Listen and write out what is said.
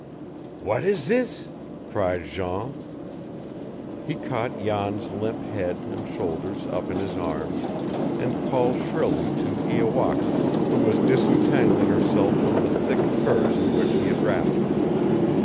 "What is this?" cried Jean. He caught Jan's limp head and shoulders up in his arms, and called shrilly to Iowaka, who was disentangling herself from the thick furs in which he had wrapped her.